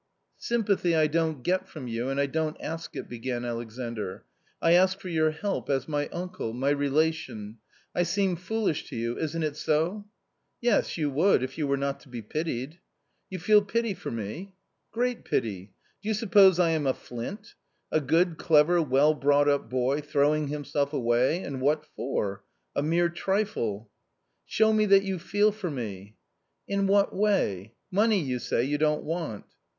" Sympathy I don't get from you, and I don't ask it," began Alexandr ; "I ask for your help, as my uncle, my relation I seem foolish to you — isn't it so ?"" Yes, you would, if you were not to be pitied." " You feel pity for me ?" "Great pity. Do you suppose I am a flint? A good, clever, well brought up boy, throwing himself away and what for ? a mere trifle." " Show me that you feel for me." " In what way ? Money, you say, you don't want."